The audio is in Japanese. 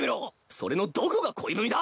それのどこが恋文だ！